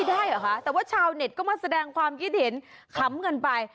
ได้เหรอคะแต่ว่าชาวเน็ตก็มาแสดงความคิดเห็นขำกันไป